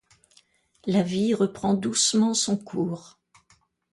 La vie reprend doucement son cours.